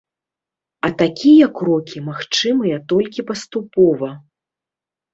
А такія крокі магчымыя толькі паступова.